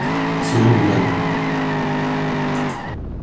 Sŵn i fyny